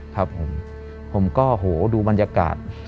ผมก็โหดูบรรยากาศ